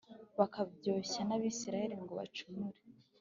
bakabyoshya n’Abisirayeli ngo bacumure